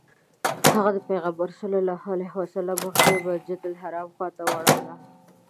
هغه د پیغمبر علیه السلام مخ د مسجدالحرام خواته واړوه.